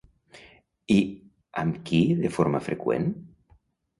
I amb qui de forma freqüent?